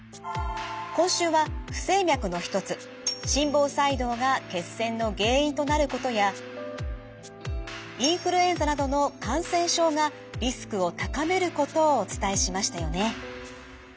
今週は不整脈の一つ心房細動が血栓の原因となることやインフルエンザなどの感染症がリスクを高めることをお伝えしましたよね。